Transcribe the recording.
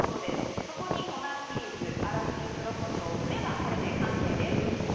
そこに粉チーズ、粗びき黒こしょうを振れば完成です。